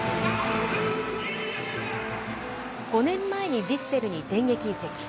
５年前にヴィッセルに電撃移籍。